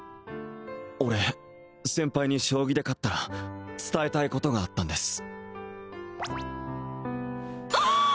俺先輩に将棋で勝ったら伝えたいことがあったんですあっ！